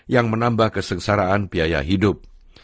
yang menambah kesengsaraan biaya hidup